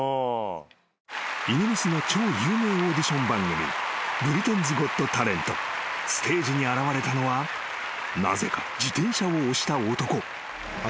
［イギリスの超有名オーディション番組『ブリテンズ・ゴット・タレント』］［ステージに現れたのはなぜか自転車を押した男］